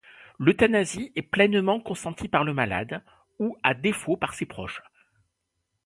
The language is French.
L'euthanasie est pleinement consentie par le malade, ou à défaut par ses proches.